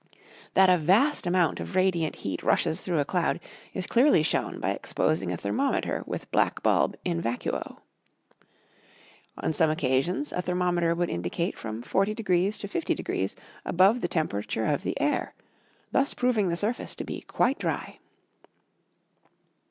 That a vast amount of radiant heat rushes through a cloud is clearly shown by exposing a thermometer with black bulb in vacuo. On some occasions, a thermometer would indicate from 40° to 50° above the temperature of the air, thus proving the surface to be quite dry.